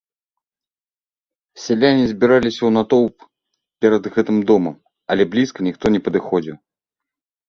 Сяляне збіраліся ў натоўп перад гэтым домам, але блізка ніхто не падыходзіў.